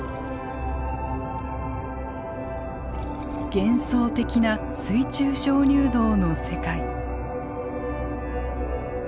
幻想的な水中鍾乳洞の世界。